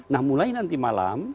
nah mulai nanti malam